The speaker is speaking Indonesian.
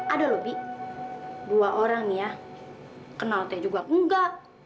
ada lho bi dua orang ya kenal teh juga nggak